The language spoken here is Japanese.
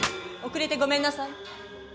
遅れてごめんなさい。